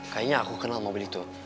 kayaknya aku kenal mobil itu